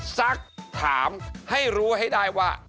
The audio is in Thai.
ซักถามให้รู้ให้ได้ว่า